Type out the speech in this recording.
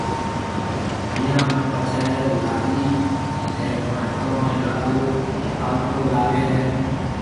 ويهان هون پڇيَ لاڏيِ ري مائيترو نَي لاڏو ٺائوڪو لاگي هيَ۔